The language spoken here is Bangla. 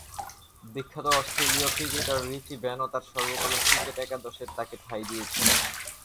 বিখ্যাত অস্ট্রেলীয় ক্রিকেটার রিচি বেনো তার সর্বকালের ক্রিকেট একাদশে তাকে ঠাঁই দিয়েছেন।